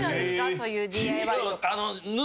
そういうＤＩＹとか。